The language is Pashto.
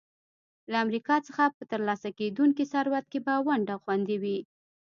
له امریکا څخه په ترلاسه کېدونکي ثروت کې به ونډه خوندي وي.